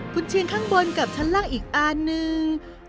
คุณเชียงข้างบนกับชั้นล่างอีกอันนึง